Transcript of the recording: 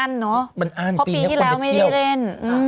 เพราะปีที่แล้วไม่ได้เล่น